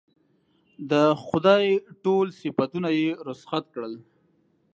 د خدای ټول صفتونه یې رخصت کړل.